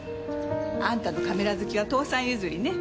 あんたのカメラ好きは父さん譲りね。